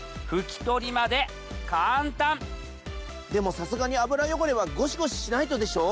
でもさすがに油汚れはゴシゴシしないとでしょ？